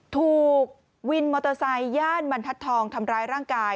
ถูกวินมอเตอร์ไซค์ย่านบรรทัศน์ทองทำร้ายร่างกาย